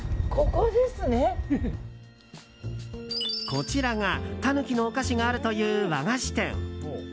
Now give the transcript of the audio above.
こちらがタヌキのお菓子があるという和菓子店。